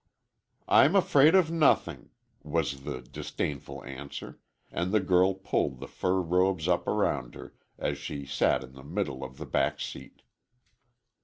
"I'm afraid of nothing," was the disdainful answer, and the girl pulled the fur robes up around her as she sat in the middle of the back seat.